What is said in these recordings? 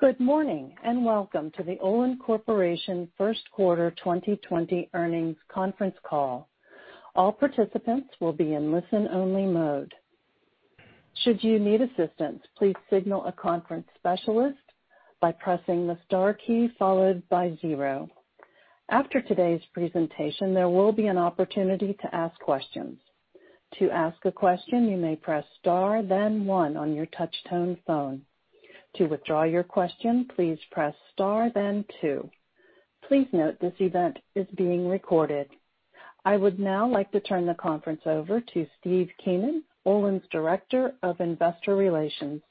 Good morning, and welcome to the Olin Corporation first quarter 2020 earnings conference call. All participants will be in listen-only mode. Should you need assistance, please signal a conference specialist by pressing the star key followed by zero. After today's presentation, there will be an opportunity to ask questions. To ask a question, you may press star then one on your touch-tone phone. To withdraw your question, please press star then two. Please note this event is being recorded. I would now like to turn the conference over to Steve Keenan, Olin's Director of Investor Relations.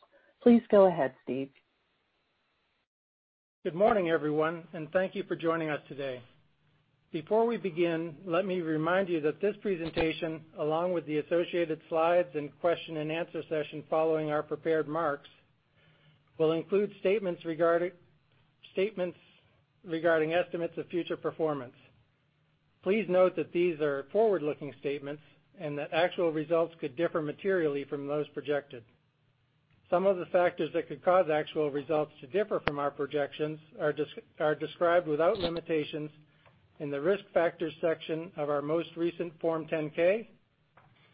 Please go ahead, Steve. Good morning, everyone, and thank you for joining us today. Before we begin, let me remind you that this presentation, along with the associated slides and question and answer session following our prepared remarks, will include statements regarding estimates of future performance. Please note that these are forward-looking statements and that actual results could differ materially from those projected. Some of the factors that could cause actual results to differ from our projections are described without limitations in the Risk Factors section of our most recent Form 10-K,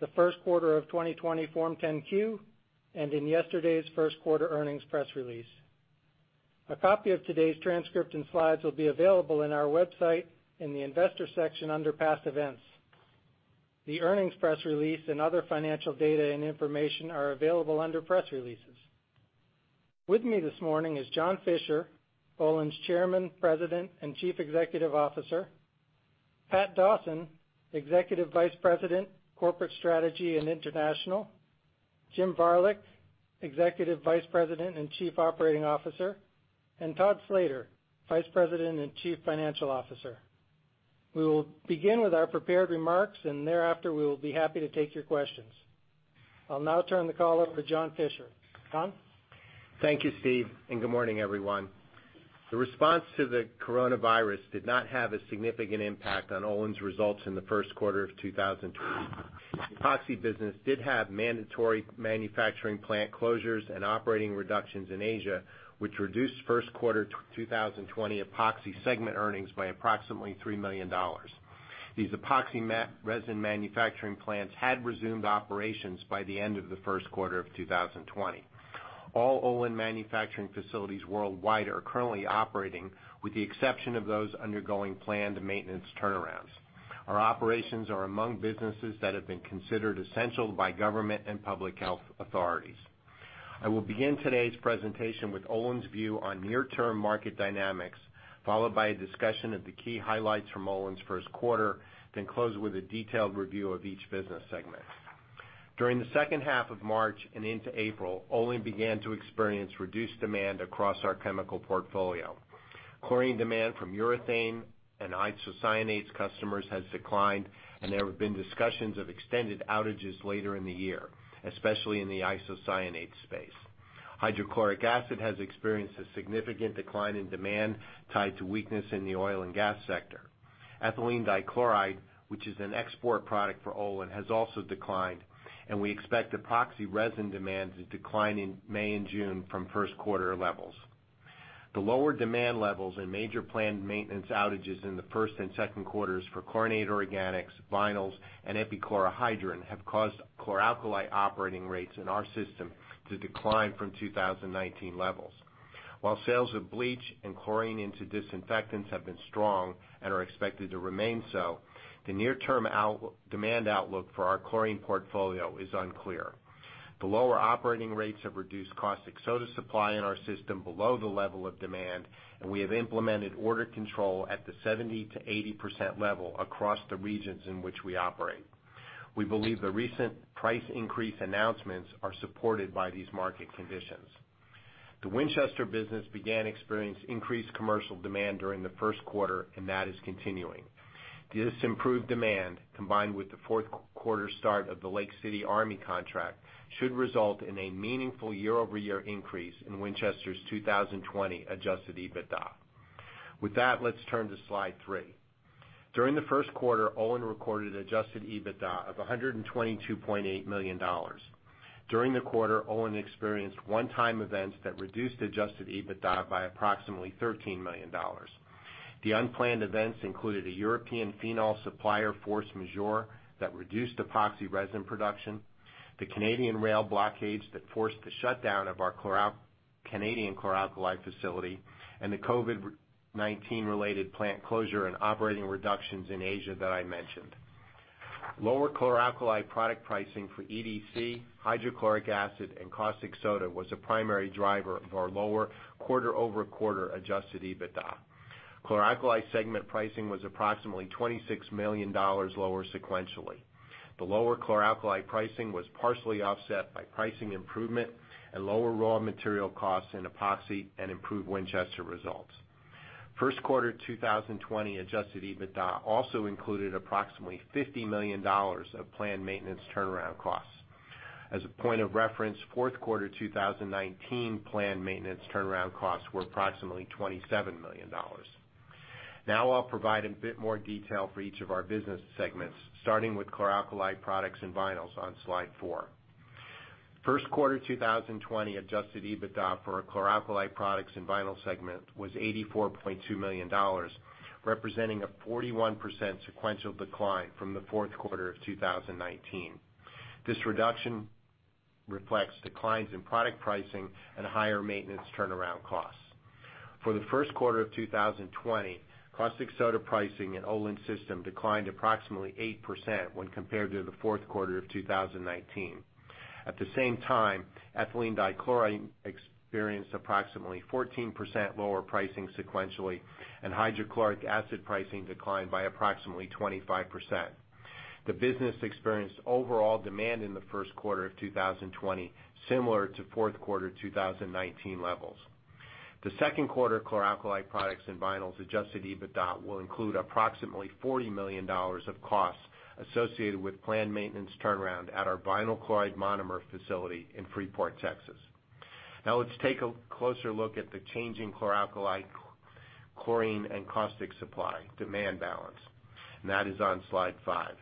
the first quarter of 2020 Form 10-Q, and in yesterday's first quarter earnings press release. A copy of today's transcript and slides will be available on our website in the Investor section under Past Events. The earnings press release and other financial data and information are available under Press Releases. With me this morning is John Fischer, Olin's Chairman, President, and Chief Executive Officer, Pat Dawson, Executive Vice President, Corporate Strategy and International, Jim Varilek, Executive Vice President and Chief Operating Officer, and Todd Slater, Vice President and Chief Financial Officer. We will begin with our prepared remarks, and thereafter, we will be happy to take your questions. I'll now turn the call over to John Fischer. John? Thank you, Steve, and good morning, everyone. The response to the coronavirus did not have a significant impact on Olin's results in the first quarter of 2020. The Epoxy business did have mandatory manufacturing plant closures and operating reductions in Asia, which reduced first quarter 2020 Epoxy segment earnings by approximately $3 million. These epoxy resin manufacturing plants had resumed operations by the end of the first quarter of 2020. All Olin manufacturing facilities worldwide are currently operating with the exception of those undergoing planned maintenance turnarounds. Our operations are among businesses that have been considered essential by government and public health authorities. I will begin today's presentation with Olin's view on near-term market dynamics, followed by a discussion of the key highlights from Olin's first quarter, then close with a detailed review of each business segment. During the second half of March and into April, Olin began to experience reduced demand across our chemical portfolio. Chlorine demand from urethane and isocyanates customers has declined, and there have been discussions of extended outages later in the year, especially in the isocyanate space. Hydrochloric acid has experienced a significant decline in demand tied to weakness in the oil and gas sector. Ethylene dichloride, which is an export product for Olin, has also declined, and we expect epoxy resin demand to decline in May and June from first quarter levels. The lower demand levels and major planned maintenance outages in the first and second quarters for chlorinated organics, vinyls, and epichlorohydrin have caused Chlor Alkali operating rates in our system to decline from 2019 levels. While sales of bleach and chlorine into disinfectants have been strong and are expected to remain so, the near-term demand outlook for our chlorine portfolio is unclear. The lower operating rates have reduced caustic soda supply in our system below the level of demand, and we have implemented order control at the 70%-80% level across the regions in which we operate. We believe the recent price increase announcements are supported by these market conditions. The Winchester business began experiencing increased commercial demand during the first quarter, and that is continuing. This improved demand, combined with the fourth quarter start of the Lake City Army contract, should result in a meaningful year-over-year increase in Winchester's 2020 adjusted EBITDA. With that, let's turn to slide three. During the first quarter, Olin recorded adjusted EBITDA of $122.8 million. During the quarter, Olin experienced one-time events that reduced adjusted EBITDA by approximately $13 million. The unplanned events included a European phenol supplier force majeure that reduced epoxy resin production, the Canadian rail blockage that forced the shutdown of our Canadian Chlor Alkali facility, and the COVID-19 related plant closure and operating reductions in Asia that I mentioned. Lower Chlor Alkali product pricing for EDC, hydrochloric acid, and caustic soda was a primary driver of our lower quarter-over-quarter adjusted EBITDA. Chlor Alkali segment pricing was approximately $26 million lower sequentially. The lower Chlor Alkali pricing was partially offset by pricing improvement and lower raw material costs in epoxy and improved Winchester results. First quarter 2020 adjusted EBITDA also included approximately $50 million of planned maintenance turnaround costs. I'll provide a bit more detail for each of our business segments, starting Chlor Alkali Products and Vinyls on slide four. First quarter 2020 adjusted EBITDA for Chlor Alkali Products and Vinyls segment was $84.2 million, representing a 41% sequential decline from the fourth quarter of 2019. This reduction reflects declines in product pricing and higher maintenance turnaround costs. For the first quarter of 2020, caustic soda pricing in Olin's system declined approximately 8% when compared to the fourth quarter of 2019. At the same time, ethylene dichloride experienced approximately 14% lower pricing sequentially, and hydrochloric acid pricing declined by approximately 25%. The business experienced overall demand in the first quarter of 2020, similar to fourth quarter 2019 levels. The second Chlor Alkali Products and Vinyls adjusted EBITDA will include approximately $40 million of costs associated with planned maintenance turnaround at our vinyl chloride monomer facility in Freeport, Texas. Now let's take a closer look at the changing Chlor Alkali, chlorine, and caustic supply, demand balance. That is on slide five.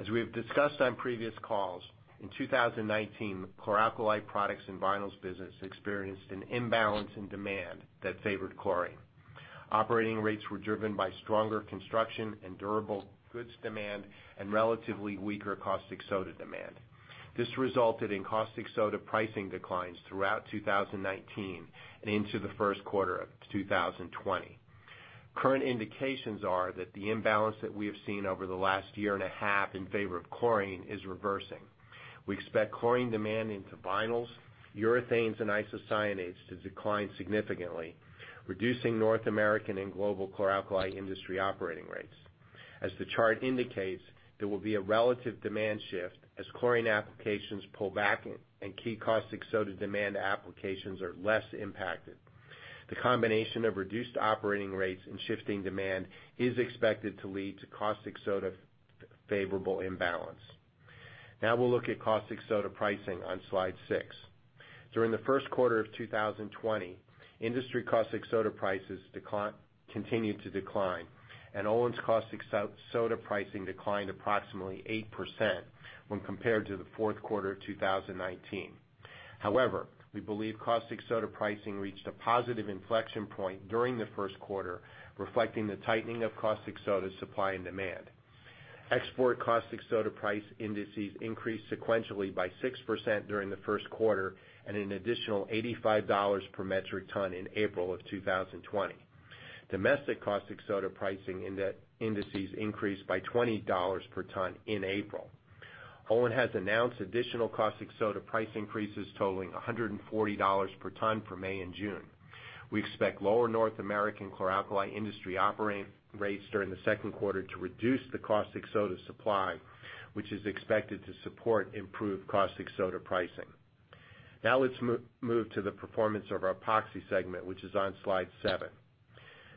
As we have discussed on previous calls, in 2019, Chlor Alkali Products and Vinyls business experienced an imbalance in demand that favored chlorine. Operating rates were driven by stronger construction and durable goods demand and relatively weaker caustic soda demand. This resulted in caustic soda pricing declines throughout 2019 and into the first quarter of 2020. Current indications are that the imbalance that we have seen over the last year and a half in favor of chlorine is reversing. We expect chlorine demand into vinyls, urethanes, and isocyanates to decline significantly, reducing North American and global Chlor Alkali industry operating rates. As the chart indicates, there will be a relative demand shift as chlorine applications pull back and key caustic soda demand applications are less impacted. The combination of reduced operating rates and shifting demand is expected to lead to caustic soda favorable imbalance. Now we'll look at caustic soda pricing on slide six. During the first quarter of 2020, industry caustic soda prices continued to decline, and Olin's caustic soda pricing declined approximately 8% when compared to the fourth quarter of 2019. However, we believe caustic soda pricing reached a positive inflection point during the first quarter, reflecting the tightening of caustic soda supply and demand. Export caustic soda price indices increased sequentially by 6% during the first quarter at an additional $85 per metric ton in April of 2020. Domestic caustic soda pricing indices increased by $20 per ton in April. Olin has announced additional caustic soda price increases totaling $140 per ton for May and June. We expect lower North American Chlor Alkali industry operating rates during the second quarter to reduce the caustic soda supply, which is expected to support improved caustic soda pricing. Let's move to the performance of our Epoxy segment, which is on slide seven.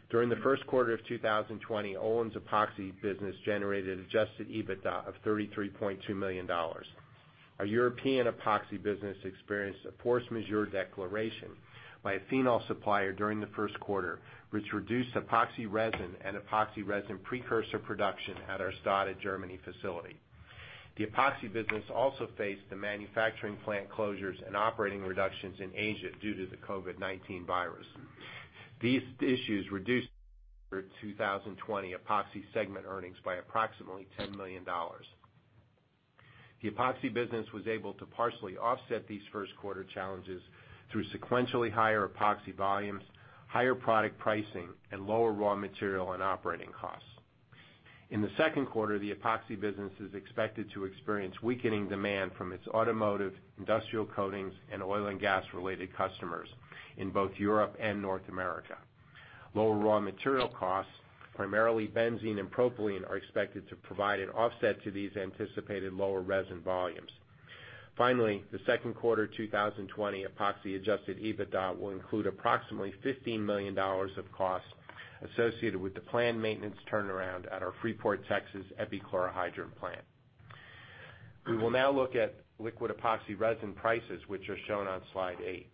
During the first quarter of 2020, Olin's Epoxy business generated adjusted EBITDA of $33.2 million. Our European Epoxy business experienced a force majeure declaration by a phenol supplier during the first quarter, which reduced epoxy resin and epoxy resin precursor production at our Stade, Germany facility. The Epoxy business also faced the manufacturing plant closures and operating reductions in Asia due to the COVID-19 virus. These issues reduced our 2020 Epoxy segment earnings by approximately $10 million. The Epoxy business was able to partially offset these first-quarter challenges through sequentially higher Epoxy volumes, higher product pricing, and lower raw material and operating costs. In the second quarter, the Epoxy business is expected to experience weakening demand from its automotive, industrial coatings, and oil and gas-related customers in both Europe and North America. Lower raw material costs, primarily benzene and propylene, are expected to provide an offset to these anticipated lower resin volumes. Finally, the second quarter 2020 Epoxy adjusted EBITDA will include approximately $15 million of costs associated with the planned maintenance turnaround at our Freeport, Texas epichlorohydrin plant. We will now look at liquid epoxy resin prices, which are shown on slide eight.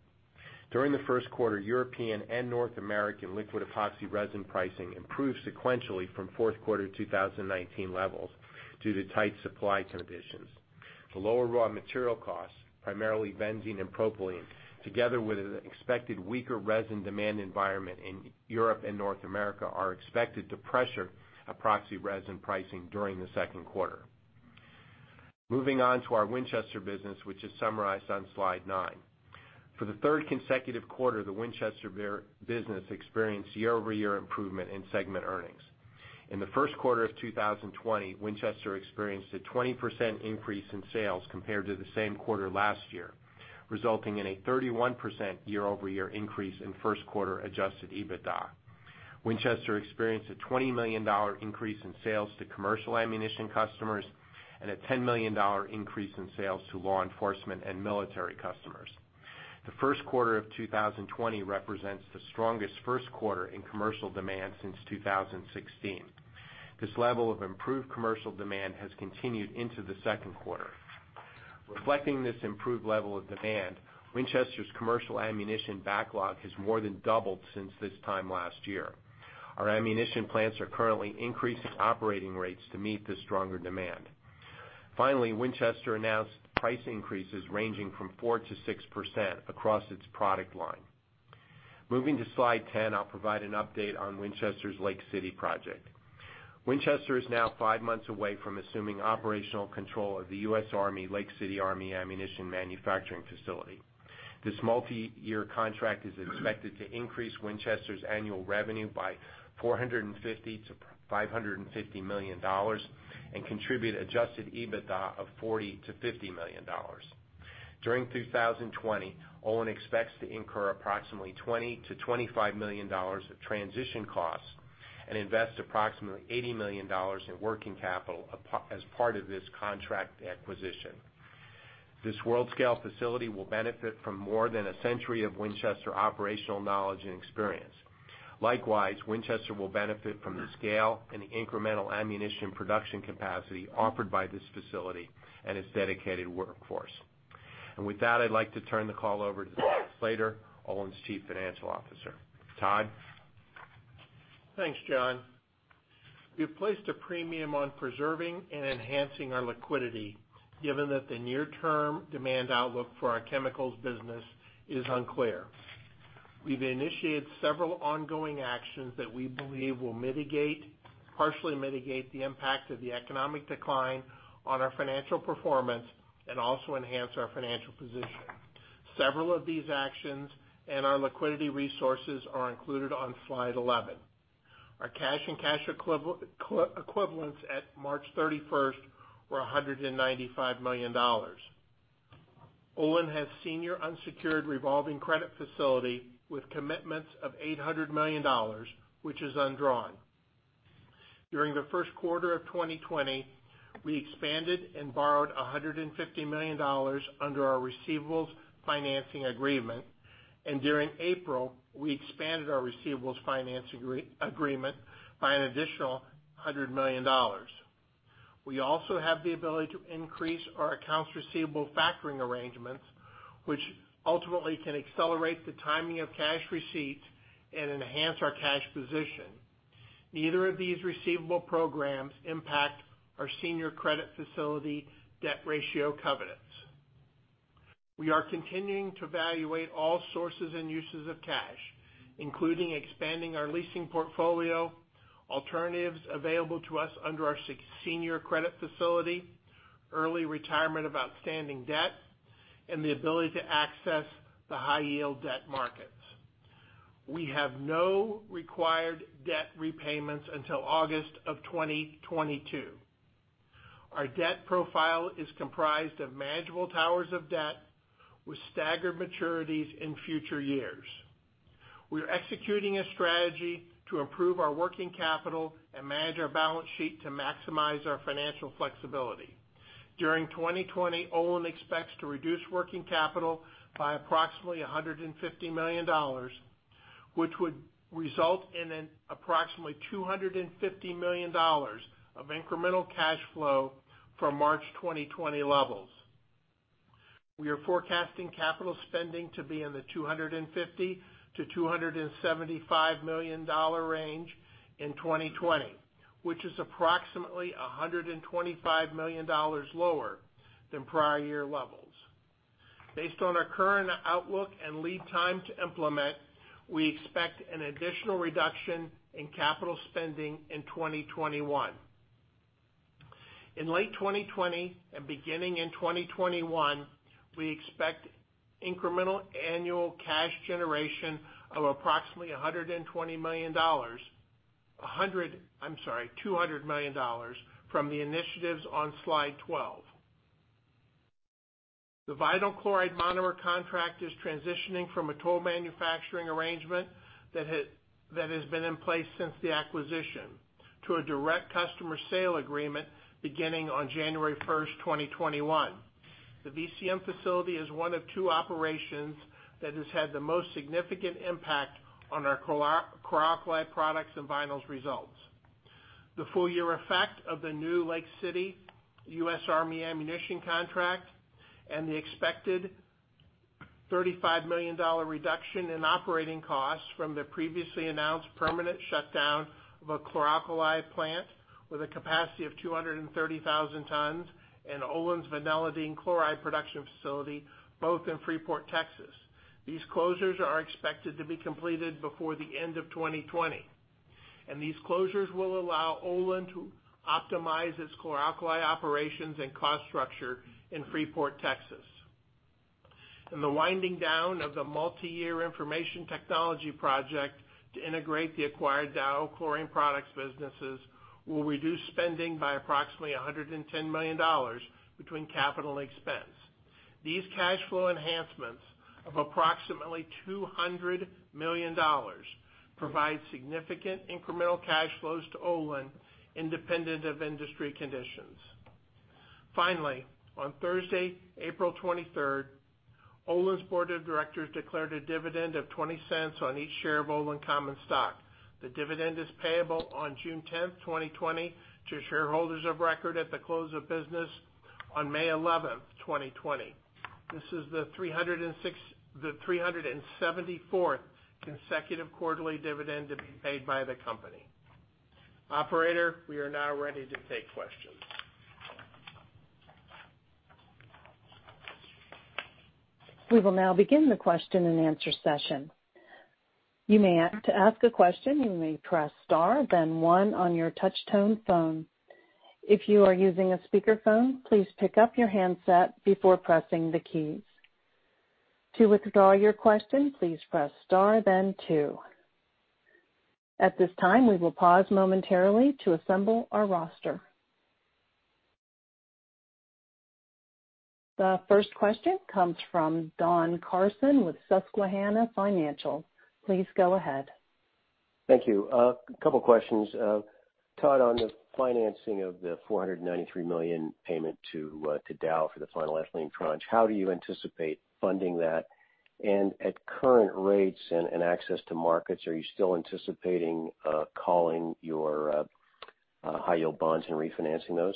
During the first quarter, European and North American liquid epoxy resin pricing improved sequentially from fourth quarter 2019 levels due to tight supply conditions. The lower raw material costs, primarily benzene and propylene, together with an expected weaker resin demand environment in Europe and North America, are expected to pressure epoxy resin pricing during the second quarter. Moving on to our Winchester business, which is summarized on slide nine. For the third consecutive quarter, the Winchester business experienced year-over-year improvement in segment earnings. In the first quarter of 2020, Winchester experienced a 20% increase in sales compared to the same quarter last year, resulting in a 31% year-over-year increase in first quarter adjusted EBITDA. Winchester experienced a $20 million increase in sales to commercial ammunition customers and a $10 million increase in sales to law enforcement and military customers. The first quarter of 2020 represents the strongest first quarter in commercial demand since 2016. This level of improved commercial demand has continued into the second quarter. Reflecting this improved level of demand, Winchester's commercial ammunition backlog has more than doubled since this time last year. Our ammunition plants are currently increasing operating rates to meet the stronger demand. Finally, Winchester announced price increases ranging from 4%-6% across its product line. Moving to slide 10, I'll provide an update on Winchester's Lake City project. Winchester is now five months away from assuming operational control of the U.S. Army Lake City Army Ammunition Manufacturing facility. This multi-year contract is expected to increase Winchester's annual revenue by $450 million-$550 million and contribute adjusted EBITDA of $40 million-$50 million. During 2020, Olin expects to incur approximately $20 million-$25 million of transition costs and invest approximately $80 million in working capital as part of this contract acquisition. This world-scale facility will benefit from more than a century of Winchester operational knowledge and experience. Likewise, Winchester will benefit from the scale and the incremental ammunition production capacity offered by this facility and its dedicated workforce. With that, I'd like to turn the call over to Todd Slater, Olin's Chief Financial Officer. Todd? Thanks, John. We've placed a premium on preserving and enhancing our liquidity, given that the near-term demand outlook for our chemicals business is unclear. We've initiated several ongoing actions that we believe will partially mitigate the impact of the economic decline on our financial performance and also enhance our financial position. Several of these actions and our liquidity resources are included on Slide 11. Our cash and cash equivalents at March 31st were $195 million. Olin has senior unsecured revolving credit facility with commitments of $800 million, which is undrawn. During the first quarter of 2020, we expanded and borrowed $150 million under our receivables financing agreement, and during April, we expanded our receivables finance agreement by an additional $100 million. We also have the ability to increase our accounts receivable factoring arrangements, which ultimately can accelerate the timing of cash receipts and enhance our cash position. Neither of these receivable programs impact our senior credit facility debt ratio covenants. We are continuing to evaluate all sources and uses of cash, including expanding our leasing portfolio, alternatives available to us under our senior credit facility, early retirement of outstanding debt, and the ability to access the high-yield debt markets. We have no required debt repayments until August of 2022. Our debt profile is comprised of manageable towers of debt with staggered maturities in future years. We are executing a strategy to improve our working capital and manage our balance sheet to maximize our financial flexibility. During 2020, Olin expects to reduce working capital by approximately $150 million, which would result in an approximately $250 million of incremental cash flow from March 2020 levels. We are forecasting capital spending to be in the $250 million-$275 million range in 2020, which is approximately $125 million lower than prior year levels. Based on our current outlook and lead time to implement, we expect an additional reduction in capital spending in 2021. In late 2020 and beginning in 2021, we expect incremental annual cash generation of approximately $120 million. I'm sorry, $200 million from the initiatives on slide 12. The vinyl chloride monomer contract is transitioning from a toll manufacturing arrangement that has been in place since the acquisition to a direct customer sale agreement beginning on January 1st, 2021. The VCM facility is one of two operations that has had the most significant impact on Chlor Alkali Products and Vinyls results. The full year effect of the new Lake City U.S. Army ammunition contract and the expected $35 million reduction in operating costs from the previously announced permanent shutdown of a Chlor Alkali plant with a capacity of 230,000 tons and Olin's vinylidene chloride production facility, both in Freeport, Texas. These closures are expected to be completed before the end of 2020. These closures will allow Olin to optimize its Chlor Alkali operations and cost structure in Freeport, Texas. The winding down of the multi-year information technology project to integrate the acquired Dow Chlorine Products businesses will reduce spending by approximately $110 million between capital and expense. These cash flow enhancements of approximately $200 million provide significant incremental cash flows to Olin independent of industry conditions. Finally, on Thursday, April 23rd, Olin's Board of Directors declared a dividend of $0.20 on each share of Olin common stock. The dividend is payable on June 10th, 2020, to shareholders of record at the close of business on May 11th, 2020. This is the 374th consecutive quarterly dividend to be paid by the company. Operator, we are now ready to take questions. We will now begin the question-and-answer session. To ask a question, you may press star then one on your touch-tone phone. If you are using a speakerphone, please pick up your handset before pressing the keys. To withdraw your question, please press star then two. At this time, we will pause momentarily to assemble our roster. The first question comes from Don Carson with Susquehanna Financial. Please go ahead. Thank you. A couple questions. Todd, on the financing of the $493 million payment to Dow for the final ethylene tranche, how do you anticipate funding that? At current rates and access to markets, are you still anticipating calling your high yield bonds and refinancing those?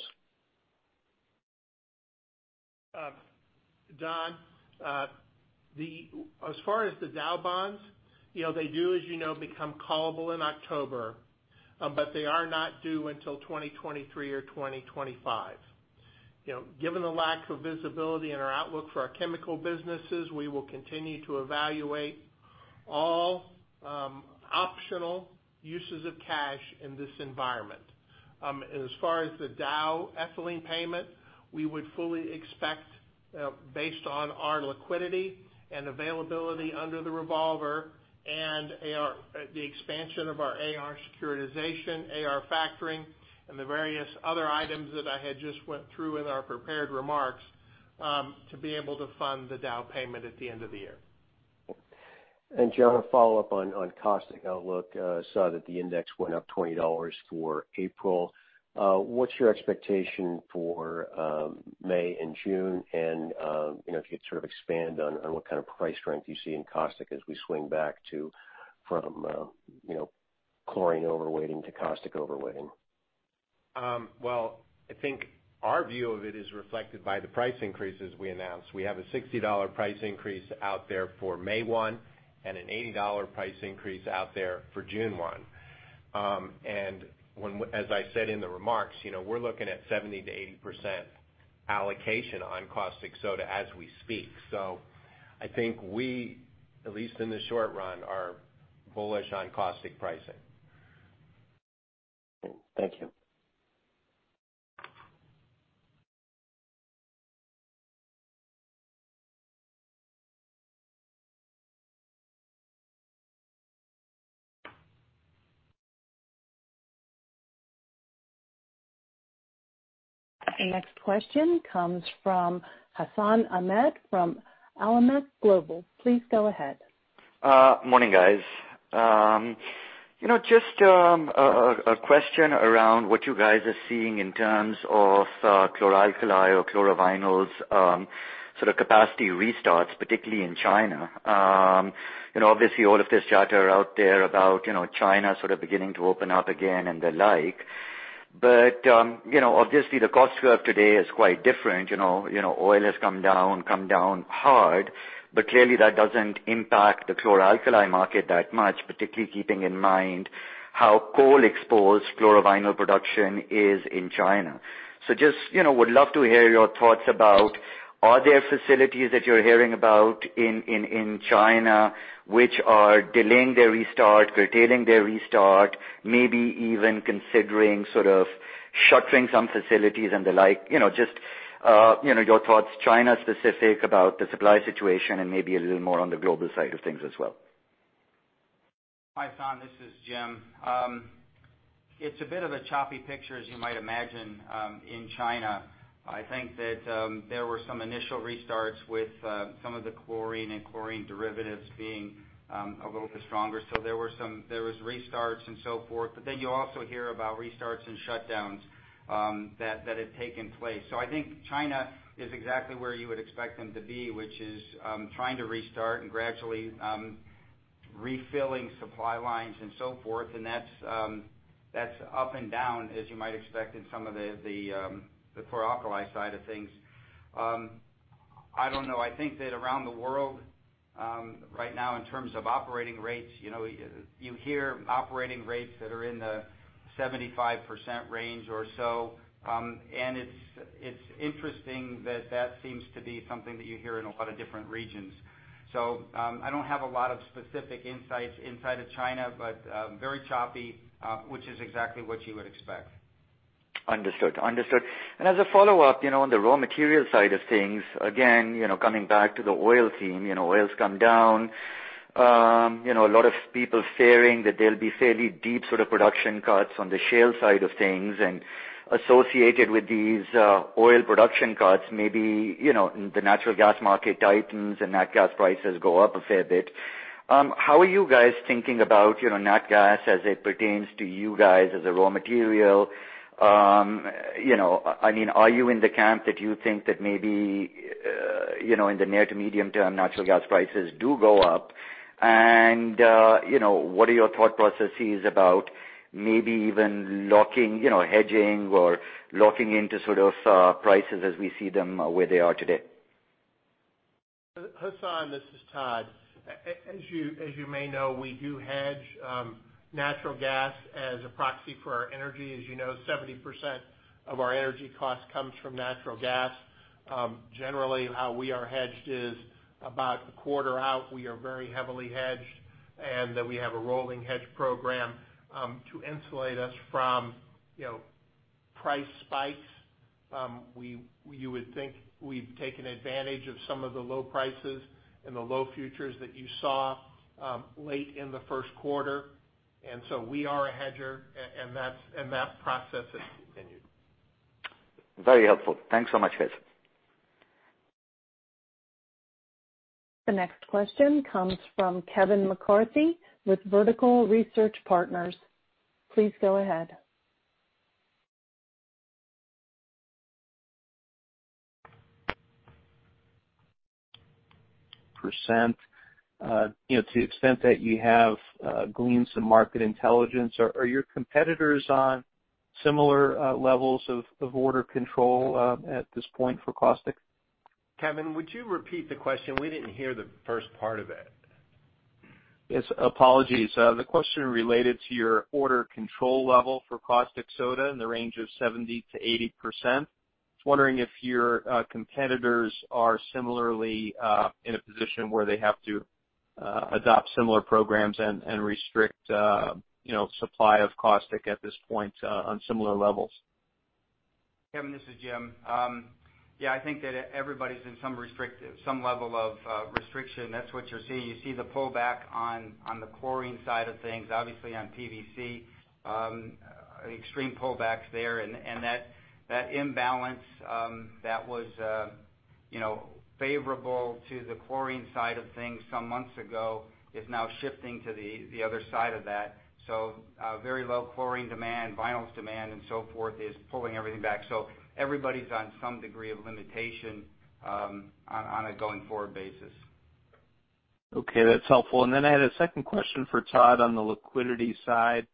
Don, as far as the Dow bonds, they do, as you know, become callable in October. They are not due until 2023 or 2025. Given the lack of visibility in our outlook for our chemical businesses, we will continue to evaluate all optional uses of cash in this environment. As far as the Dow ethylene payment, we would fully expect, based on our liquidity and availability under the revolver and the expansion of our AR securitization, AR factoring, and the various other items that I had just went through in our prepared remarks, to be able to fund the Dow payment at the end of the year. John, a follow-up on caustic outlook. Saw that the index went up $20 for April. What's your expectation for May and June? If you'd sort of expand on what kind of price strength you see in caustic as we swing back from chlorine overweighting to caustic overweighting. Well, I think our view of it is reflected by the price increases we announced. We have a $60 price increase out there for May 1 and an $80 price increase out there for June 1. As I said in the remarks, we're looking at 70%-80% allocation on caustic soda as we speak. I think we, at least in the short run, are bullish on caustic pricing. Thank you. The next question comes from Hassan Ahmed from Alembic Global. Please go ahead. Morning, guys. Just a question around what you guys are seeing in terms of Chlor Alkali or chlorovinyls sort of capacity restarts, particularly in China. Obviously, all of this chatter out there about China sort of beginning to open up again and the like. Obviously the cost curve today is quite different. Oil has come down hard, but clearly that doesn't impact the Chlor Alkali market that much, particularly keeping in mind how coal exposed chlorovinyl production is in China. Just would love to hear your thoughts about, are there facilities that you're hearing about in China which are delaying their restart, curtailing their restart, maybe even considering sort of shuttering some facilities and the like. Just your thoughts, China specific, about the supply situation and maybe a little more on the global side of things as well. Hi, Hassan. This is Jim. It's a bit of a choppy picture, as you might imagine, in China. I think that there were some initial restarts with some of the chlorine and chlorine derivatives being a little bit stronger. There was restarts and so forth. You also hear about restarts and shutdowns that had taken place. I think China is exactly where you would expect them to be, which is trying to restart and gradually refilling supply lines and so forth. That's up and down, as you might expect, in some of the Chlor Alkali side of things. I don't know. I think that around the world right now, in terms of operating rates, you hear operating rates that are in the 75% range or so. It's interesting that that seems to be something that you hear in a lot of different regions. I don't have a lot of specific insights inside of China, but very choppy, which is exactly what you would expect. Understood. As a follow-up, on the raw material side of things, again, coming back to the oil theme, oil's come down. A lot of people fearing that there'll be fairly deep sort of production cuts on the shale side of things, and associated with these oil production cuts, maybe the natural gas market tightens and that gas prices go up a fair bit. How are you guys thinking about nat gas as it pertains to you guys as a raw material? Are you in the camp that you think that maybe, in the near to medium term, natural gas prices do go up? What are your thought processes about maybe even hedging or locking into prices as we see them where they are today? Hassan, this is Todd. As you may know, we do hedge natural gas as a proxy for our energy. As you know, 70% of our energy cost comes from natural gas. Generally, how we are hedged is about a quarter out, we are very heavily hedged, and that we have a rolling hedge program to insulate us from price spikes. You would think we've taken advantage of some of the low prices and the low futures that you saw late in the first quarter. We are a hedger, and that process has continued. Very helpful. Thanks so much, Todd. The next question comes from Kevin McCarthy with Vertical Research Partners. Please go ahead. %. To the extent that you have gleaned some market intelligence, are your competitors on similar levels of order control at this point for caustic? Kevin, would you repeat the question? We didn't hear the first part of it. Yes, apologies. The question related to your order control level for caustic soda in the range of 70%-80%. Just wondering if your competitors are similarly in a position where they have to adopt similar programs and restrict supply of caustic at this point on similar levels. Kevin, this is Jim. Yeah, I think that everybody's in some level of restriction. That's what you're seeing. You see the pullback on the chlorine side of things. Obviously on PVC, extreme pullbacks there. That imbalance that was favorable to the chlorine side of things some months ago is now shifting to the other side of that. Very low chlorine demand, vinyls demand, and so forth, is pulling everything back. Everybody's on some degree of limitation on a going forward basis. Okay, that's helpful. I had a second question for Todd on the liquidity side.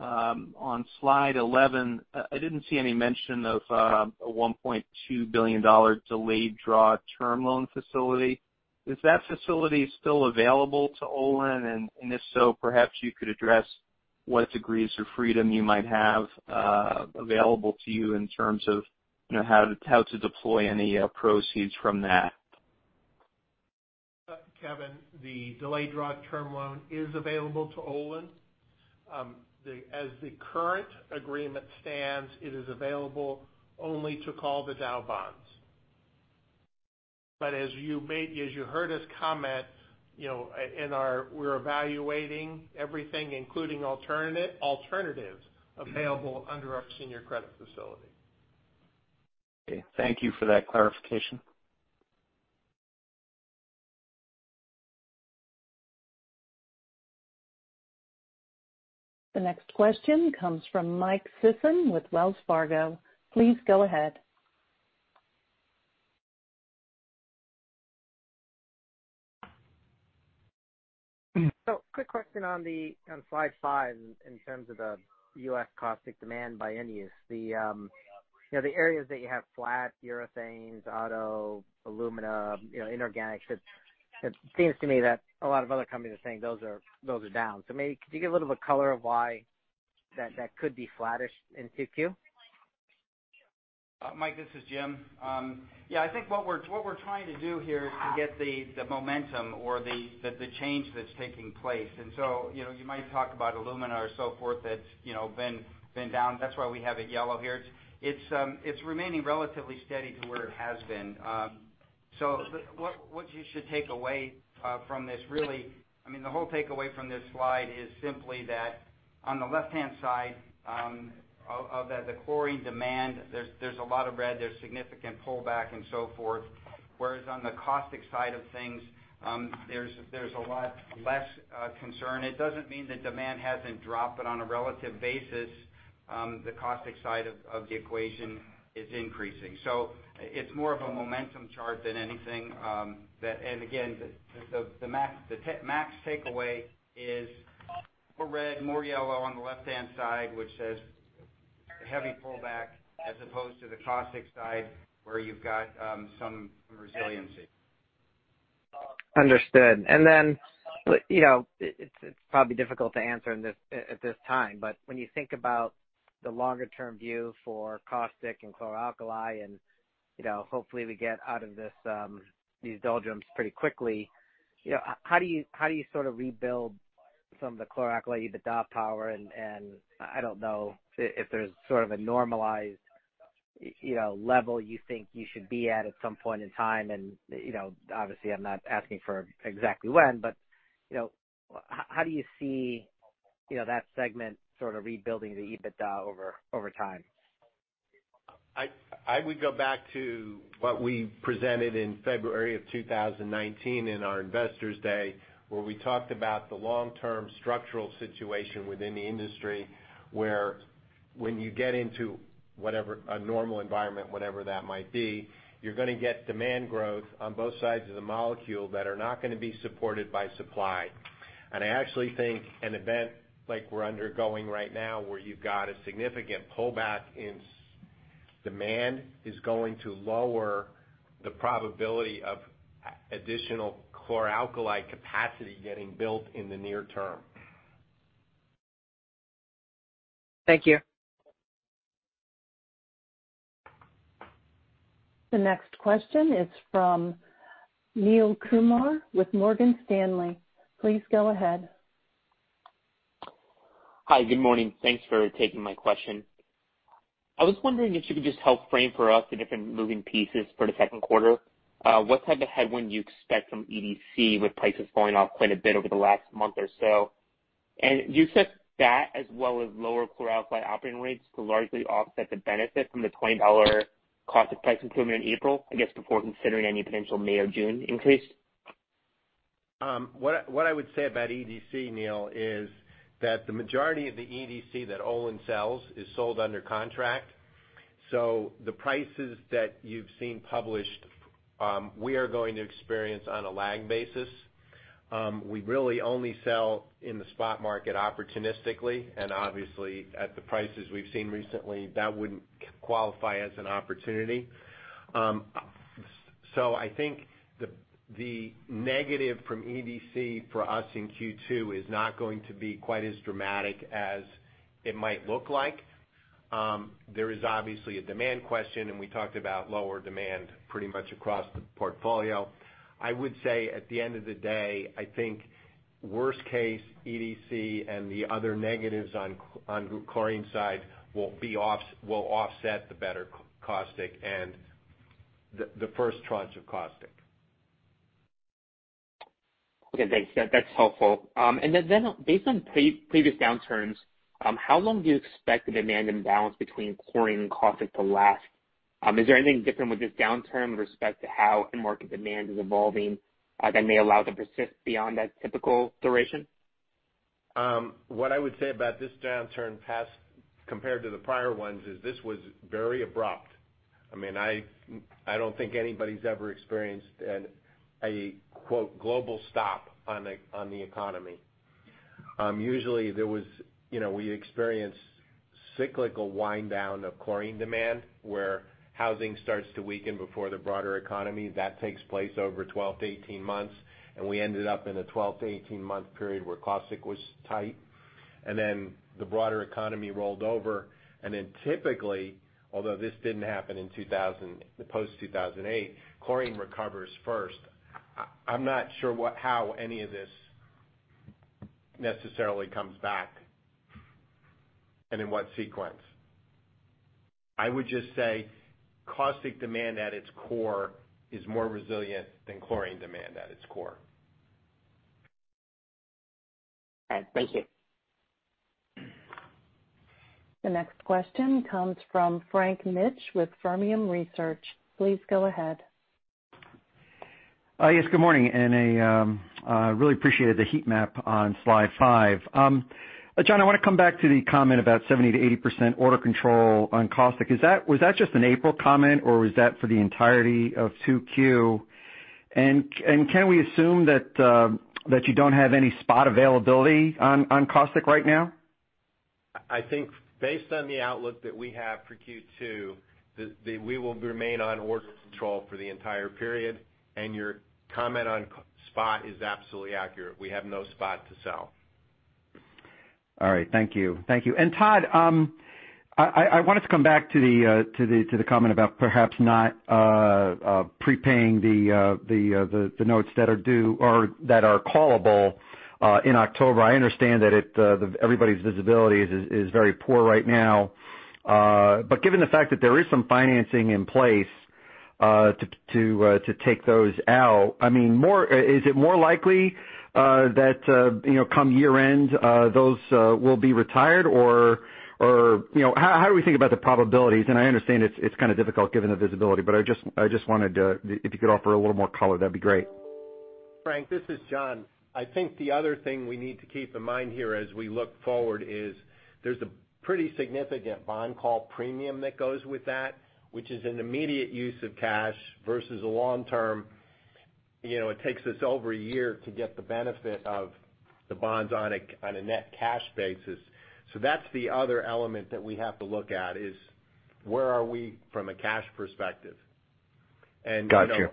On slide 11, I didn't see any mention of a $1.2 billion delayed draw term loan facility. Is that facility still available to Olin? If so, perhaps you could address what degrees of freedom you might have available to you in terms of how to deploy any proceeds from that. Kevin, the delayed draw term loan is available to Olin. As the current agreement stands, it is available only to call the Dow bonds. As you heard us comment, we're evaluating everything including alternatives available under our senior credit facility. Okay, thank you for that clarification. The next question comes from Mike Sison with Wells Fargo. Please go ahead. Quick question on slide five in terms of the U.S. caustic demand by end use. The areas that you have flat, urethanes, auto, alumina, inorganics. It seems to me that a lot of other companies are saying those are down. Maybe could you give a little bit color of why that could be flattish in 2Q? Mike, this is Jim. Yeah, I think what we're trying to do here is to get the momentum or the change that's taking place. You might talk about alumina or so forth that's been down. That's why we have it yellow here. It's remaining relatively steady to where it has been. What you should take away from this really, the whole takeaway from this slide is simply that on the left-hand side of the chlorine demand, there's a lot of red, there's significant pullback and so forth. Whereas on the caustic side of things, there's a lot less concern. It doesn't mean the demand hasn't dropped, but on a relative basis, the caustic side of the equation is increasing. It's more of a momentum chart than anything. Again, the max takeaway is more red, more yellow on the left-hand side, which says heavy pullback as opposed to the caustic side where you've got some resiliency. Understood. It's probably difficult to answer at this time, but when you think about the longer-term view for caustic and Chlor Alkali, and hopefully we get out of these doldrums pretty quickly. How do you sort of rebuild some of the Chlor Alkali EBITDA power and, I don't know if there's sort of a normalized level you think you should be at at some point in time, and obviously I'm not asking for exactly when, but how do you see that segment sort of rebuilding the EBITDA over time? I would go back to what we presented in February of 2019 in our Investors Day, where we talked about the long-term structural situation within the industry, where when you get into a normal environment, whatever that might be, you're going to get demand growth on both sides of the molecule that are not going to be supported by supply. I actually think an event like we're undergoing right now, where you've got a significant pullback in demand, is going to lower the probability of additional Chlor-Alkali capacity getting built in the near term. Thank you. The next question is from Neel Kumar with Morgan Stanley. Please go ahead. Hi. Good morning. Thanks for taking my question. I was wondering if you could just help frame for us the different moving pieces for the second quarter. What type of headwind do you expect from EDC with prices falling off quite a bit over the last month or so? Do you expect that as well as lower Chlor-Alkali operating rates to largely offset the benefit from the $20 caustic price improvement in April, I guess, before considering any potential May or June increase? What I would say about EDC, Neel, is that the majority of the EDC that Olin sells is sold under contract. The prices that you've seen published, we are going to experience on a lag basis. We really only sell in the spot market opportunistically, and obviously at the prices we've seen recently, that wouldn't qualify as an opportunity. I think the negative from EDC for us in Q2 is not going to be quite as dramatic as it might look like. There is obviously a demand question, and we talked about lower demand pretty much across the portfolio. I would say at the end of the day, I think worst case, EDC and the other negatives on chlorine side will offset the better caustic and the first tranche of caustic. Okay, thanks. That's helpful. Based on previous downturns, how long do you expect the demand imbalance between chlorine and caustic to last? Is there anything different with this downturn with respect to how end market demand is evolving that may allow it to persist beyond that typical duration? What I would say about this downturn compared to the prior ones is this was very abrupt. I don't think anybody's ever experienced a quote, "global stop," on the economy. Usually we experience cyclical wind down of chlorine demand, where housing starts to weaken before the broader economy. That takes place over 12-18 months, and we ended up in a 12-18-month period where caustic was tight. The broader economy rolled over. Typically, although this didn't happen post-2008, chlorine recovers first. I'm not sure how any of this necessarily comes back and in what sequence. I would just say caustic demand at its core is more resilient than chlorine demand at its core. All right. Thank you. The next question comes from Frank Mitsch with Fermium Research. Please go ahead. Yes, good morning. I really appreciated the heat map on slide five. John, I want to come back to the comment about 70%-80% order control on caustic. Was that just an April comment or was that for the entirety of 2Q? Can we assume that you don't have any spot availability on caustic right now? I think based on the outlook that we have for Q2, we will remain on order control for the entire period. Your comment on spot is absolutely accurate. We have no spot to sell. All right. Thank you. Todd, I wanted to come back to the comment about perhaps not prepaying the notes that are due or that are callable in October. I understand that everybody's visibility is very poor right now. Given the fact that there is some financing in place to take those out, is it more likely that come year end, those will be retired? How do we think about the probabilities? I understand it's kind of difficult given the visibility, but I just wanted to, if you could offer a little more color, that'd be great. Frank, this is John. I think the other thing we need to keep in mind here as we look forward is there's a pretty significant bond call premium that goes with that, which is an immediate use of cash versus a long-term. It takes us over a year to get the benefit of the bonds on a net cash basis. That's the other element that we have to look at is where are we from a cash perspective. Got you.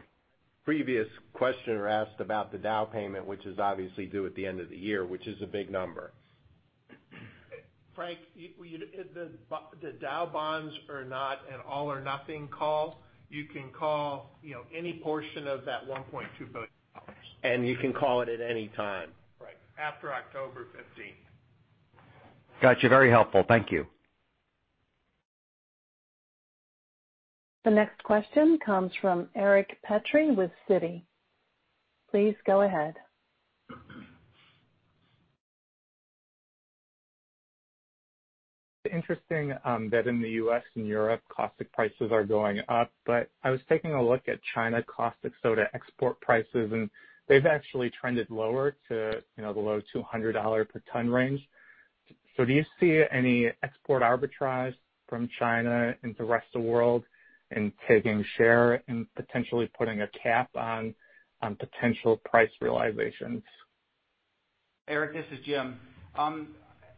Previous questioner asked about the Dow payment, which is obviously due at the end of the year, which is a big number. Frank, the Dow bonds are not an all or nothing call. You can call any portion of that $1.2 billion. You can call it at any time. Right. After October 15th. Got you. Very helpful. Thank you. The next question comes from Eric Petrie with Citi. Please go ahead. Interesting that in the U.S. and Europe, caustic prices are going up. I was taking a look at China caustic soda export prices, and they've actually trended lower to the low $200 per ton range. Do you see any export arbitrage from China into the rest of the world and taking share and potentially putting a cap on potential price realizations? Eric, this is Jim.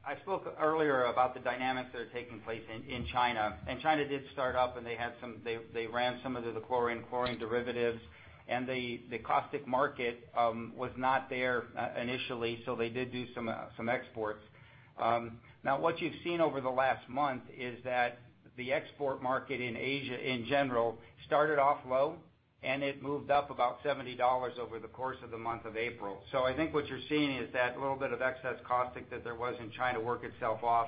I spoke earlier about the dynamics that are taking place in China. China did start up, and they ran some of the chlorine derivatives, and the caustic market was not there initially, so they did do some exports. Now, what you've seen over the last month is that the export market in Asia in general started off low, and it moved up about $70 over the course of the month of April. I think what you're seeing is that little bit of excess caustic that there was in China work itself off.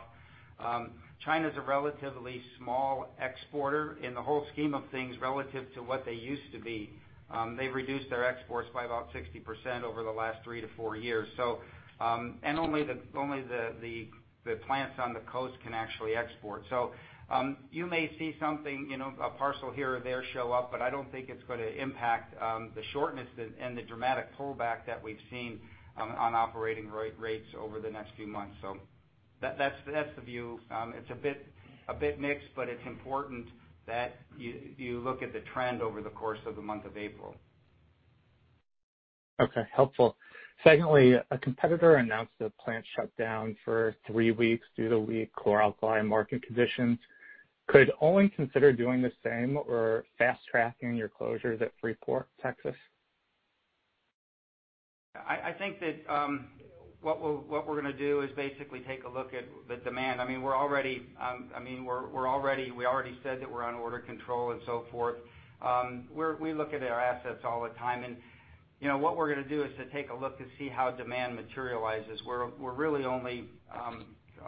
China's a relatively small exporter in the whole scheme of things relative to what they used to be. They've reduced their exports by about 60% over the last three to four years. Only the plants on the coast can actually export. You may see something, a parcel here or there show up, but I don't think it's going to impact the shortness and the dramatic pullback that we've seen on operating rates over the next few months. That's the view. It's a bit mixed, but it's important that you look at the trend over the course of the month of April. Okay. Helpful. Secondly, a competitor announced a plant shutdown for three weeks due to weak Chlor Alkali market conditions. Could Olin consider doing the same or fast-tracking your closures at Freeport, Texas? I think that what we're going to do is basically take a look at the demand. We already said that we're on order control and so forth. We look at our assets all the time, and what we're going to do is to take a look to see how demand materializes. We're really only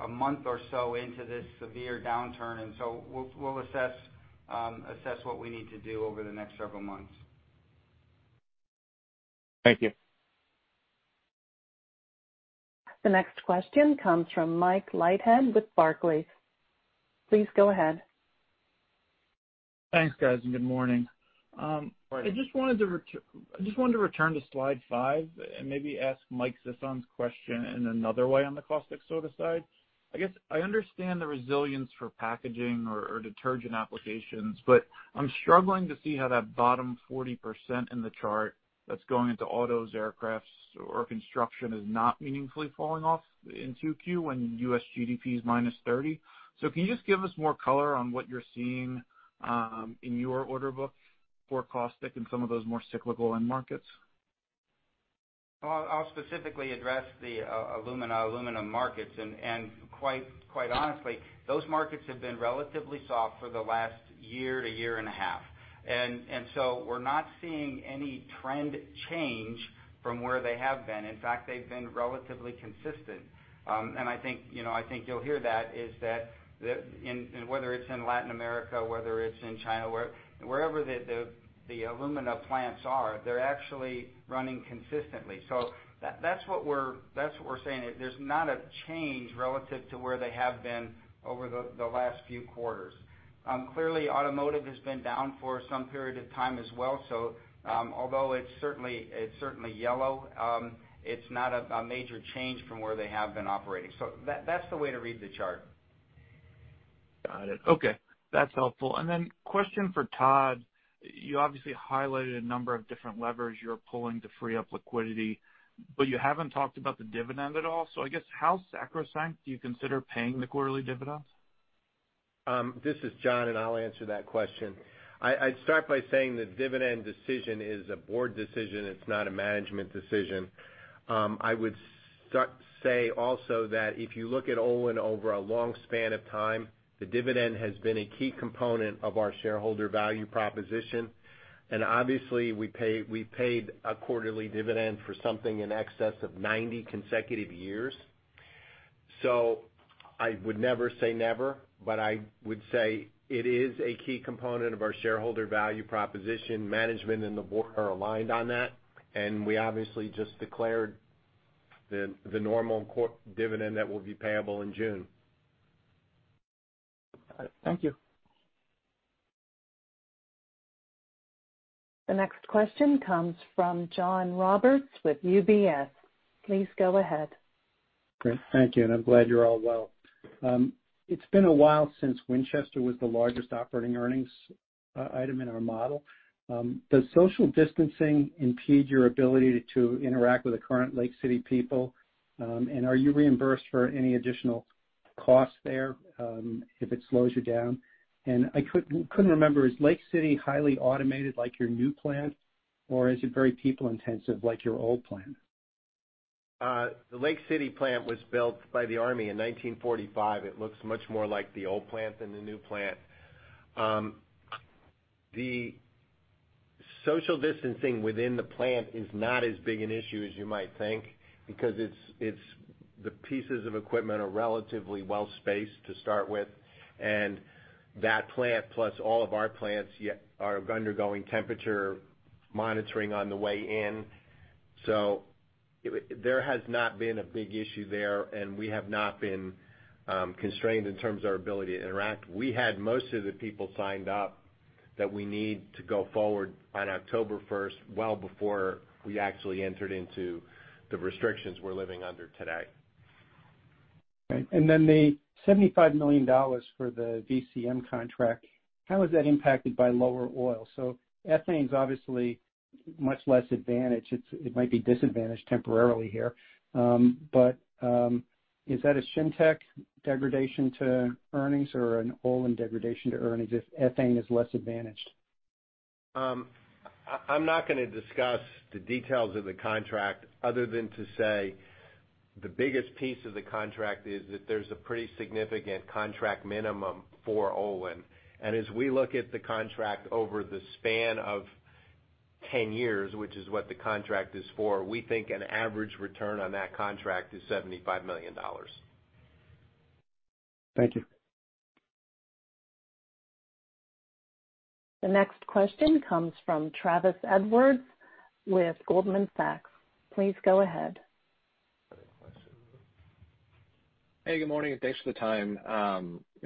a month or so into this severe downturn, and so we'll assess what we need to do over the next several months. Thank you. The next question comes from Mike Leithead with Barclays. Please go ahead. Thanks, guys, and good morning. Morning. I just wanted to return to slide five and maybe ask Mike Sison's question in another way on the caustic soda side. I guess I understand the resilience for packaging or detergent applications, but I'm struggling to see how that bottom 40% in the chart that's going into autos, aircrafts or construction is not meaningfully falling off in 2Q when U.S. GDP is -30%. Can you just give us more color on what you're seeing in your order book for caustic in some of those more cyclical end markets? I'll specifically address the alumina markets and quite honestly, those markets have been relatively soft for the last year to year and a half. We're not seeing any trend change from where they have been. In fact, they've been relatively consistent. I think you'll hear that is that whether it's in Latin America, whether it's in China, wherever the alumina plants are, they're actually running consistently. That's what we're saying, there's not a change relative to where they have been over the last few quarters. Clearly, automotive has been down for some period of time as well. Although it's certainly yellow, it's not a major change from where they have been operating. That's the way to read the chart. Got it. Okay. That's helpful. Question for Todd. You obviously highlighted a number of different levers you're pulling to free up liquidity, but you haven't talked about the dividend at all. I guess how sacrosanct do you consider paying the quarterly dividends? This is John. I'll answer that question. I'd start by saying the dividend decision is a board decision. It's not a management decision. I would say also that if you look at Olin over a long span of time, the dividend has been a key component of our shareholder value proposition. Obviously, we paid a quarterly dividend for something in excess of 90 consecutive years. I would never say never, but I would say it is a key component of our shareholder value proposition. Management and the board are aligned on that, and we obviously just declared the normal dividend that will be payable in June. Got it. Thank you. The next question comes from John Roberts with UBS. Please go ahead. Great. Thank you. I'm glad you're all well. It's been a while since Winchester was the largest operating earnings item in our model. Does social distancing impede your ability to interact with the current Lake City people? Are you reimbursed for any additional cost there if it slows you down? I couldn't remember, is Lake City highly automated like your new plant, or is it very people-intensive like your old plant? The Lake City plant was built by the Army in 1945. It looks much more like the old plant than the new plant. The social distancing within the plant is not as big an issue as you might think because the pieces of equipment are relatively well-spaced to start with, and that plant plus all of our plants are undergoing temperature-monitoring on the way in. There has not been a big issue there, and we have not been constrained in terms of our ability to interact. We had most of the people signed up that we need to go forward on October 1st, well before we actually entered into the restrictions we're living under today. Okay. The $75 million for the VCM contract, how is that impacted by lower oil? Ethane's obviously much less advantaged. It might be disadvantaged temporarily here. Is that a Shintech degradation to earnings or an Olin degradation to earnings if ethane is less advantaged? I'm not going to discuss the details of the contract other than to say the biggest piece of the contract is that there's a pretty significant contract minimum for Olin. As we look at the contract over the span of 10 years, which is what the contract is for, we think an average return on that contract is $75 million. Thank you. The next question comes from Travis Edwards with Goldman Sachs. Please go ahead. Hey, good morning, and thanks for the time.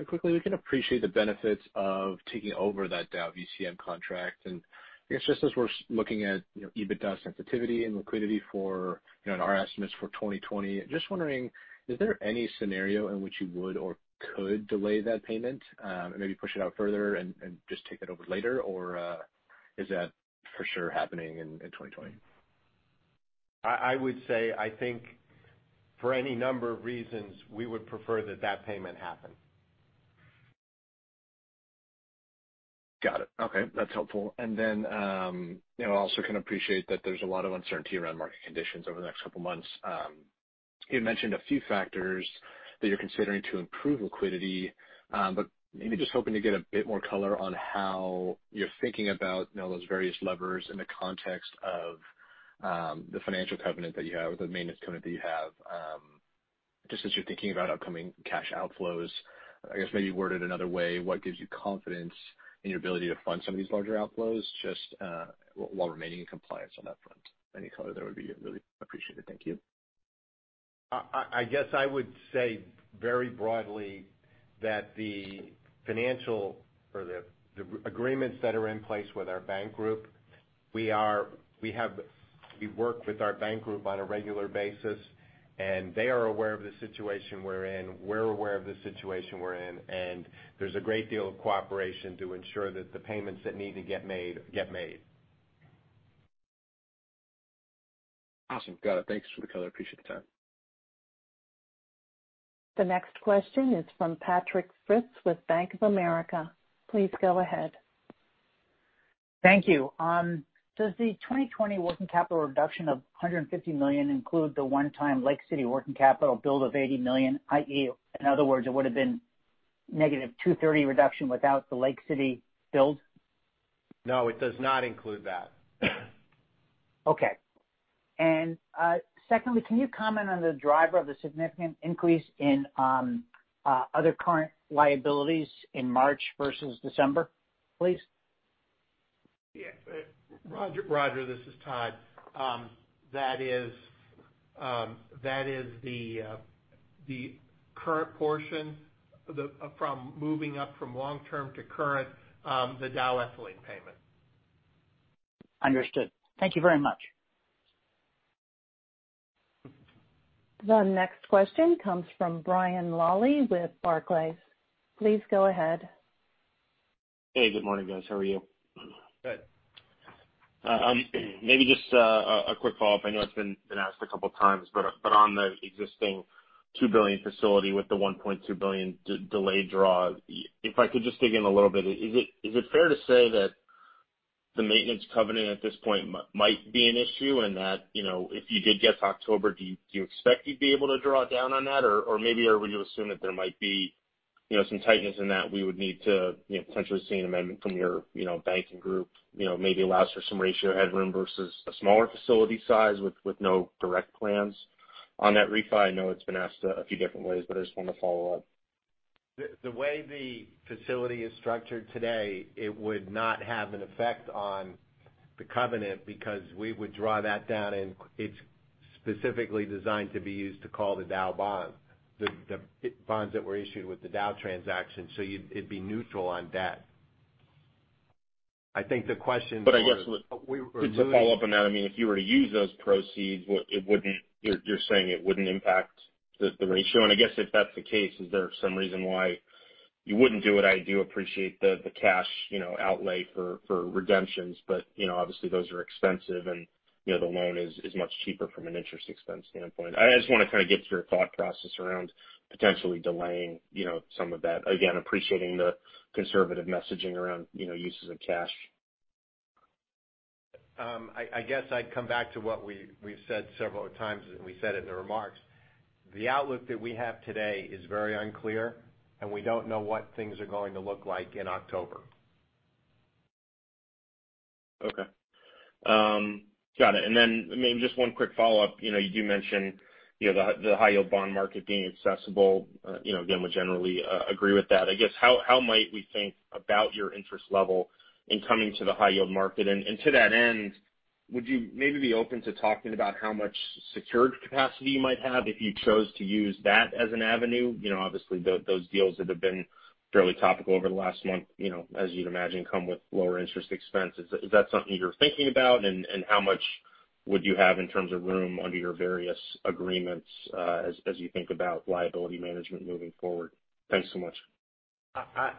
Quickly, we can appreciate the benefits of taking over that Dow VCM contract. I guess just as we're looking at EBITDA sensitivity and liquidity in our estimates for 2020, just wondering, is there any scenario in which you would or could delay that payment, maybe push it out further and just take that over later? Is that for sure happening in 2020? I would say, I think for any number of reasons, we would prefer that that payment happen. Got it. Okay, that's helpful. Also can appreciate that there's a lot of uncertainty around market conditions over the next couple of months. You mentioned a few factors that you're considering to improve liquidity. Maybe just hoping to get a bit more color on how you're thinking about those various levers in the context of the financial covenant that you have or the maintenance covenant that you have, just as you're thinking about upcoming cash outflows. I guess maybe worded another way, what gives you confidence in your ability to fund some of these larger outflows just while remaining in compliance on that front? Any color there would be really appreciated. Thank you. I guess I would say very broadly that the financial or the agreements that are in place with our bank group, we work with our bank group on a regular basis. They are aware of the situation we're in. We're aware of the situation we're in. There's a great deal of cooperation to ensure that the payments that need to get made, get made. Awesome. Got it. Thanks for the color. Appreciate the time. The next question is from Patrick with Bank of America. Please go ahead. Thank you. Does the 2020 working capital reduction of $150 million include the one-time Lake City working capital build of $80 million, i.e., in other words, it would've been -$230 million reduction without the Lake City build? No, it does not include that. Okay. Secondly, can you comment on the driver of the significant increase in other current liabilities in March versus December, please? Yeah. Roger, this is Todd. That is the current portion from moving up from long-term to current, the Dow ethylene payment. Understood. Thank you very much. The next question comes from Brian Lalli with Barclays. Please go ahead. Hey, good morning, guys. How are you? Good. Maybe just a quick follow-up. I know it's been asked a couple of times, but on the existing $2 billion facility with the $1.2 billion delayed draw, if I could just dig in a little bit. Is it fair to say that the maintenance covenant at this point might be an issue and that if you did get to October, do you expect you'd be able to draw down on that? Or would you assume that there might be some tightness in that we would need to potentially see an amendment from your banking group maybe allows for some ratio headroom versus a smaller facility size with no direct plans on that refi? I know it's been asked a few different ways, but I just wanted to follow up. The way the facility is structured today, it would not have an effect on the covenant because we would draw that down and it's specifically designed to be used to call the Dow bonds, the bonds that were issued with the Dow transaction. It'd be neutral on debt. I guess to follow up on that, if you were to use those proceeds, you're saying it wouldn't impact the ratio. I guess if that's the case, is there some reason why you wouldn't do it? I do appreciate the cash outlay for redemptions. Obviously, those are expensive and the loan is much cheaper from an interest expense standpoint. I just want to kind of get your thought process around potentially delaying some of that. Again, appreciating the conservative messaging around uses of cash. I guess I'd come back to what we've said several times, and we said it in the remarks. The outlook that we have today is very unclear, and we don't know what things are going to look like in October. Okay. Got it. Maybe just one quick follow-up. You do mention the high yield bond market being accessible. Again, we generally agree with that. I guess, how might we think about your interest level in coming to the high yield market? To that end, would you maybe be open to talking about how much secured capacity you might have if you chose to use that as an avenue? Obviously, those deals that have been fairly topical over the last month, as you'd imagine, come with lower interest expenses. Is that something you're thinking about? How much would you have in terms of room under your various agreements, as you think about liability management moving forward? Thanks so much.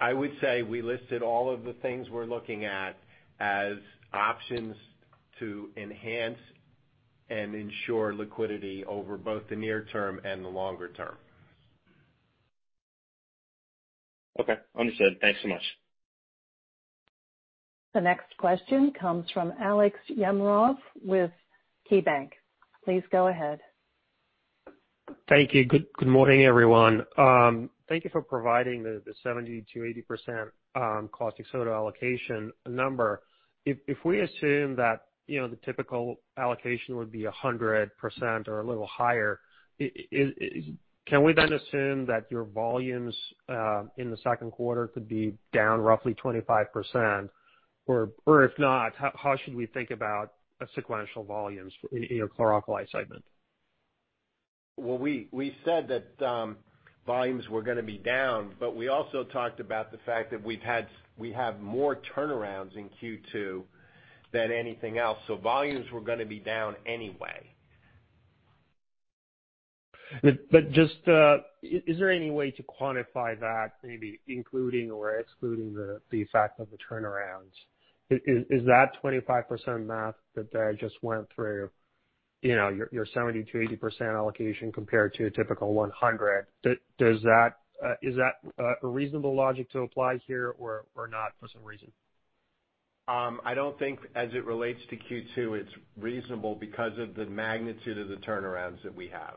I would say we listed all of the things we're looking at as options to enhance and ensure liquidity over both the near term and the longer term. Okay. Understood. Thanks so much. The next question comes from Aleksey Yefremov with KeyBanc. Please go ahead. Thank you. Good morning, everyone. Thank you for providing the 70%-80% caustic soda allocation number. If we assume that the typical allocation would be 100% or a little higher, can we then assume that your volumes, in the second quarter could be down roughly 25%? If not, how should we think about sequential volumes in your Chlor Alkali segment? Well, we said that volumes were going to be down, but we also talked about the fact that we have more turnarounds in Q2 than anything else. Volumes were going to be down anyway. Just, is there any way to quantify that, maybe including or excluding the fact of the turnarounds? Is that 25% math that I just went through, your 70%-80% allocation compared to a typical 100%, is that a reasonable logic to apply here or not for some reason? I don't think as it relates to Q2, it's reasonable because of the magnitude of the turnarounds that we have.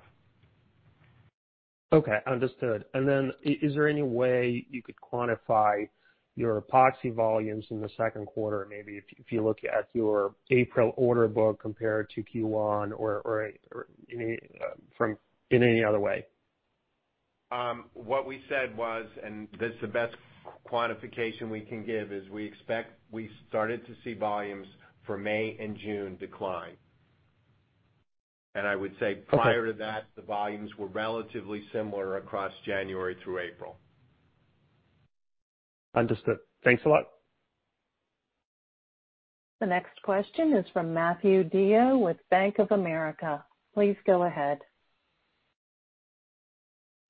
Okay, understood. Then is there any way you could quantify your epoxy volumes in the second quarter? Maybe if you look at your April order book compared to Q1 or in any other way. What we said was, and that's the best quantification we can give, is we expect we started to see volumes for May and June decline. I would say. Okay Prior to that, the volumes were relatively similar across January through April. Understood. Thanks a lot. The next question is from Matthew DeYoe with Bank of America. Please go ahead.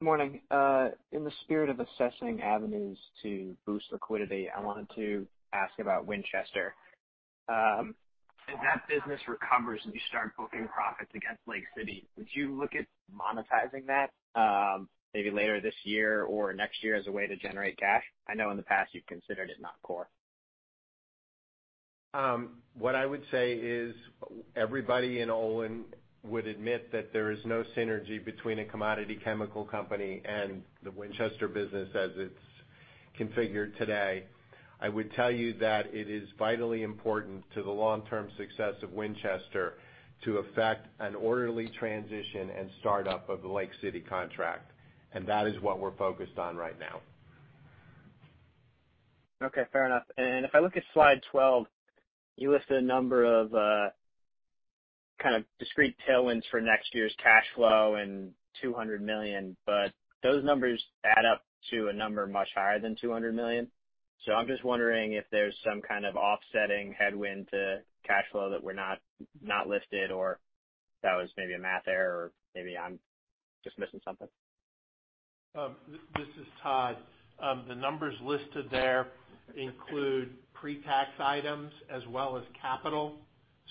Morning. In the spirit of assessing avenues to boost liquidity, I wanted to ask about Winchester. If that business recovers and you start booking profits against Lake City, would you look at monetizing that, maybe later this year or next year as a way to generate cash? I know in the past you've considered it not core. What I would say is everybody in Olin would admit that there is no synergy between a commodity chemical company and the Winchester business as it's configured today. I would tell you that it is vitally important to the long-term success of Winchester to affect an orderly transition and start up of the Lake City contract, and that is what we're focused on right now. Okay, fair enough. If I look at slide 12, you list a number of kind of discrete tailwinds for next year's cash flow and $200 million, but those numbers add up to a number much higher than $200 million. I'm just wondering if there's some kind of offsetting headwind to cash flow that were not listed, or that was maybe a math error, or maybe I'm just missing something. This is Todd. The numbers listed there include pre-tax items as well as capital.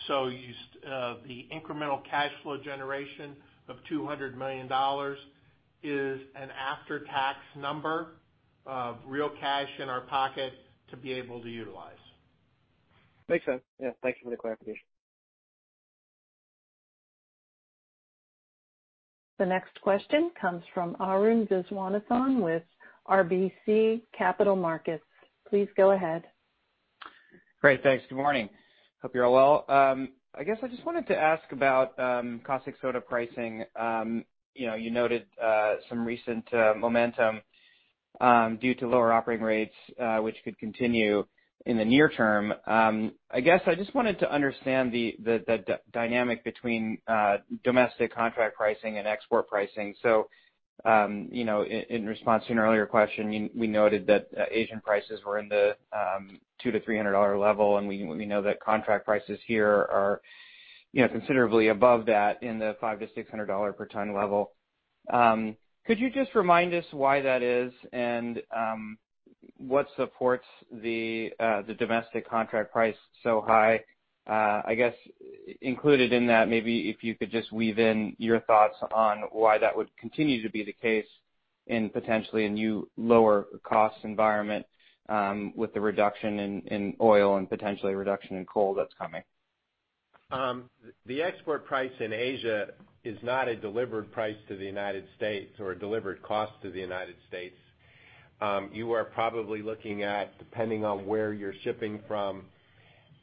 The incremental cash flow generation of $200 million is an after-tax number of real cash in our pocket to be able to utilize. Makes sense. Yeah, thank you for the clarification. The next question comes from Arun Viswanathan with RBC Capital Markets. Please go ahead. Great. Thanks. Good morning. Hope you're all well. I just wanted to ask about caustic soda pricing. You noted some recent momentum due to lower operating rates, which could continue in the near term. I just wanted to understand the dynamic between domestic contract pricing and export pricing. In response to an earlier question, we noted that Asian prices were in the $200-$300 level, and we know that contract prices here are considerably above that in the $500-$600 per ton level. Could you just remind us why that is and what supports the domestic contract price so high? Included in that, maybe if you could just weave in your thoughts on why that would continue to be the case in potentially a new lower cost environment, with the reduction in oil and potentially a reduction in coal that's coming. The export price in Asia is not a delivered price to the United States or a delivered cost to the United States. You are probably looking at, depending on where you're shipping from,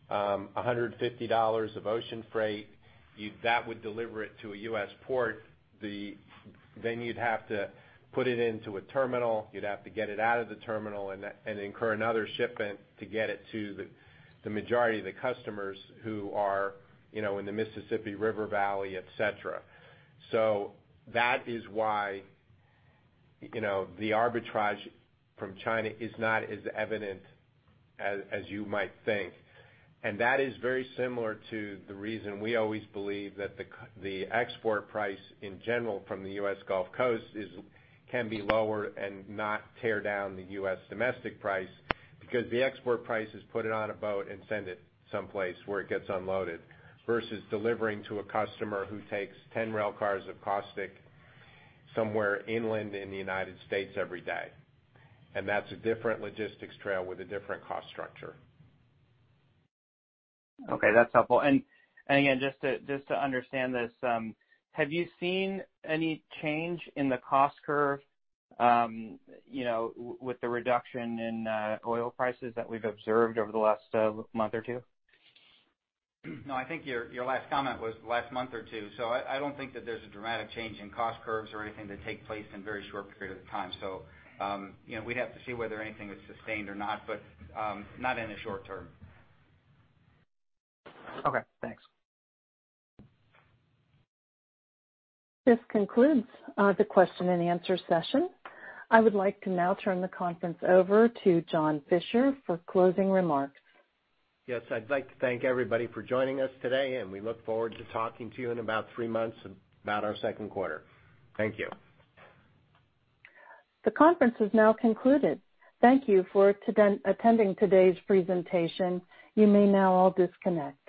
$150 of ocean freight. That would deliver it to a U.S. port. You'd have to put it into a terminal. You'd have to get it out of the terminal and incur another shipment to get it to the majority of the customers who are in the Mississippi River Valley, et cetera. That is why the arbitrage from China is not as evident as you might think. That is very similar to the reason we always believe that the export price, in general, from the U.S. Gulf Coast can be lower and not tear down the U.S. domestic price, because the export price is put it on a boat and send it someplace where it gets unloaded versus delivering to a customer who takes 10 rail cars of caustic somewhere inland in the United States every day. That's a different logistics trail with a different cost structure. Okay, that's helpful. Again, just to understand this, have you seen any change in the cost curve with the reduction in oil prices that we've observed over the last month or two? No, I think your last comment was last month or two. I don't think that there's a dramatic change in cost curves or anything to take place in a very short period of time. We'd have to see whether anything is sustained or not, but not in the short term. Okay, thanks. This concludes the question-and-answer session. I would like to now turn the conference over to John Fischer for closing remarks. Yes, I'd like to thank everybody for joining us today, and we look forward to talking to you in about three months about our second quarter. Thank you. The conference has now concluded. Thank you for attending today's presentation. You may now all disconnect.